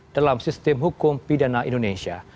dalam sistem hukum pidana indonesia